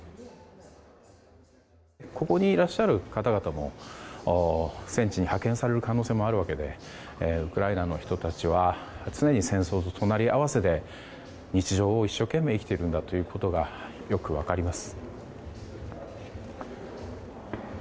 ここにいらっしゃる方々も戦地に派遣される可能性もあるわけでウクライナの人たちは常に戦争と隣り合わせで日常を一生懸命生きているんだということがよく分かります。